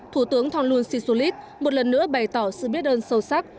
thủ tướng thonglun sisulit một lần nữa bày tỏ sự biết ơn sâu sắc